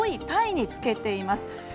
タイにつけています。